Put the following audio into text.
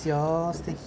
すてき。